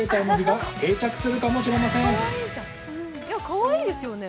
かわいいですよね。